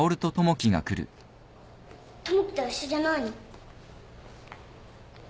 友樹と一緒じゃないの？